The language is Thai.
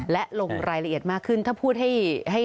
และลงรายละเอียดมากขึ้นถ้าพูดให้